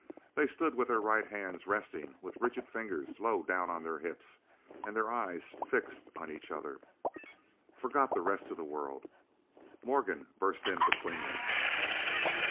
They stood with their right hands resting with rigid fingers low down on their hips, and their eyes, fixed on each other, forgot the rest of the world. Morgan burst in between them.